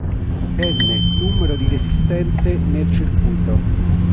N numero di resistenze nel circuito.